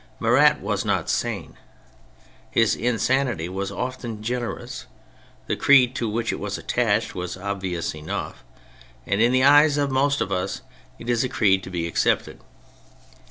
Marat was not sane. His insanity was often generous, the creed to which it was attached was obvious enough, and in the eyes of most of us it is a creed to be 76 THE FRENCH REVOLUTION accepted.